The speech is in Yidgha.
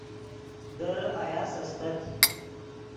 در آیاس استت